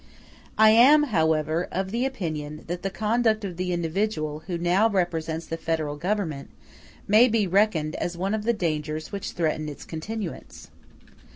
I am, however, of opinion that the conduct of the individual who now represents the Federal Government may be reckoned as one of the dangers which threaten its continuance.